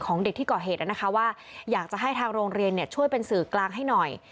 เด็กที่ก่อเหตุนะคะว่าอยากจะให้ทางโรงเรียนช่วยเป็นสื่อกลางให้หน่อย